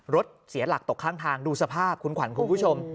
รถเสียหลักตกข้างทางดูสภาพคุณขวัญคุณผู้ชม